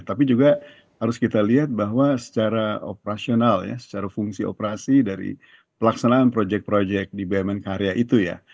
tapi juga harus kita lihat bahwa secara operasional ya secara fungsi operasi dari pelaksanaan proyek proyek di bumn karya itu ya